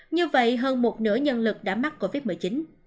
như vậy hơn một nửa nhân lực đã mắc covid một mươi chín